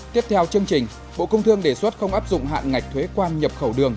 tiếp theo chương trình bộ công thương đề xuất không áp dụng hạn ngạch thuế quan nhập khẩu đường